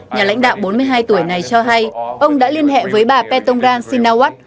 nhà lãnh đạo bốn mươi hai tuổi này cho hay ông đã liên hệ với bà petro sinawat